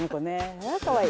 ああかわいい。